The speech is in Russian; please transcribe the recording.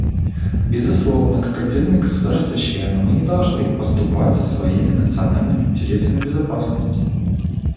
Безусловно, как отдельные государства-члены, мы не должны поступаться своими национальными интересами безопасности.